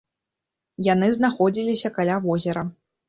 Яны знаходзіліся каля возера.